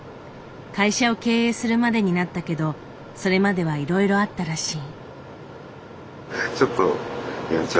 会社を経営するまでになったけどそれまではいろいろあったらしい。